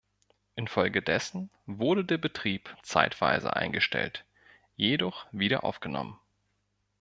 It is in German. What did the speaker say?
Infolgedessen wurde der Betrieb zeitweise eingestellt, jedoch wieder aufgenommen.